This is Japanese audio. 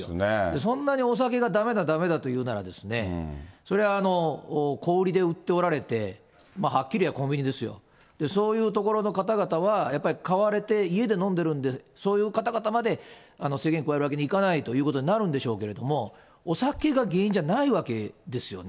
そんなにお酒がだめだ、だめだというなら、それは、小売りで売っておられて、はっきり言えばコンビニですよ、そういう所の方々は、やっぱり買われて家で飲んでるんでそういう方々まで制限加えるわけにいかないということになるんでしょうけれども、お酒が原因じゃないわけですよね。